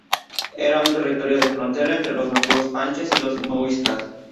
Era una territorio de frontera entre los nativos Panches y los Muiscas.